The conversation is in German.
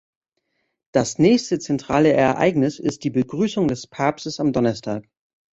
Das nächste zentrale Ereignis ist die Begrüßung des Papstes am Donnerstag.